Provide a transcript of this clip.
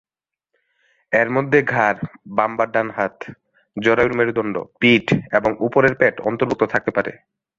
এর মধ্যে ঘাড়, বাম বা ডান হাত, জরায়ুর মেরুদণ্ড, পিঠ এবং উপরের পেট অন্তর্ভুক্ত থাকতে পারে।